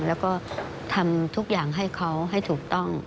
แล้วก็ทำทุกอย่างให้เขาให้ถูกต้อง